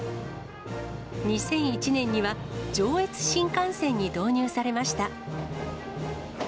２００１年には、上越新幹線に導入されました。